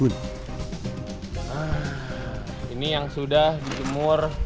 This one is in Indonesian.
ini yang sudah dijemur